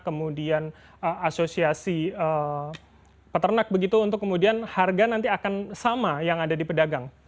kemudian asosiasi peternak begitu untuk kemudian harga nanti akan sama yang ada di pedagang